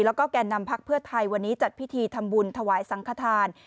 แล้วก็แก่นำพักเพื่อไทยวันนี้จัดพิธีทำบุญถวายสังขทาน